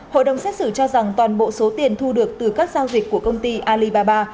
hội đồng xét xử cho rằng toàn bộ số tiền thu được từ các giao dịch của công ty alibaba